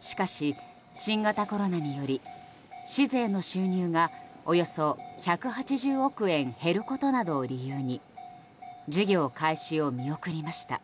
しかし新型コロナにより市税の収入が、およそ１８０億円減ることなどを理由に事業開始を見送りました。